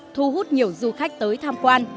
thu hút nhiều du khách tới tham quan